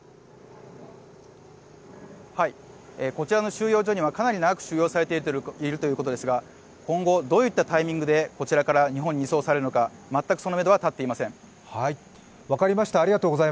こちらの収容所にはかなり長く収容されているということですが、今後どういったタイミングでこちらから日本に移送されるのか、全くそのめどは立っていません。